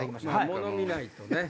モノ見ないとね。